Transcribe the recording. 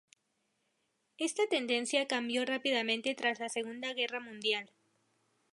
Esta tendencia cambió rápidamente tras la Segunda Guerra Mundial.